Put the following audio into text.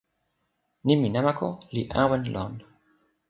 nimi namako li awen lon.